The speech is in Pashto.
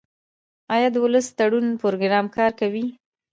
آیا د ولسي تړون پروګرام کار کوي؟